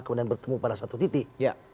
kemudian bertemu pada satu titik